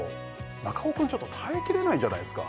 中尾君ちょっと耐えきれないんじゃないですか？